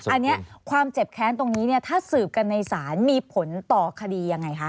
อันนี้ความเจ็บแค้นตรงนี้เนี่ยถ้าสืบกันในศาลมีผลต่อคดียังไงคะ